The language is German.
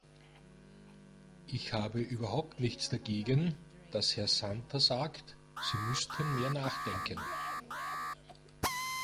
Ich habe überhaupt nichts dagegen, dass Herr Santer sagt, sie müssten mehr nachdenken.